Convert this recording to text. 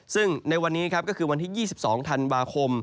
ซึ่งในวันนี้ครับก็คือวันที่๒๒ธันวาคม